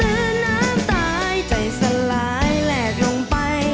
ตื่นน้ำตายใจสลายแลกลงไป